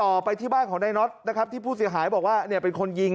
ออกไปที่บ้านของนายน็อตนะครับที่ผู้เสียหายบอกว่าเนี่ยเป็นคนยิง